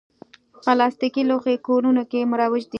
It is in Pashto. پلاستيکي لوښي کورونو کې مروج دي.